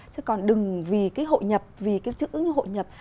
chứ còn đừng vì cái hội nhập vì cái chữ hội nhập